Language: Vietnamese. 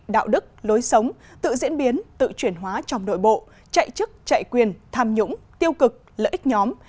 đạo đức lối sống tự diễn biến tự chuyển hóa trong nội bộ chạy chức chạy quyền tham nhũng tiêu cực lợi ích nhóm